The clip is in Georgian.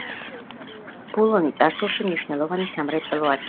ბულონი წარსულში მნიშვნელოვანი სამრეწველო ადგილი იყო.